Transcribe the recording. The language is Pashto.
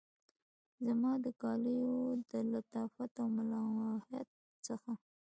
زما د کالیو د لطافت او ملاحت څخه